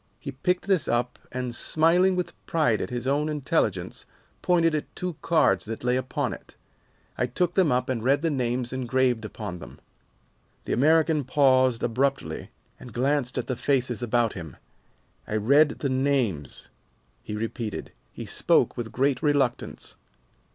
He picked this up and, smiling with pride at his own intelligence, pointed at two cards that lay upon it. I took them up and read the names engraved upon them." The American paused abruptly, and glanced at the faces about him. "I read the names," he repeated. He spoke with great reluctance.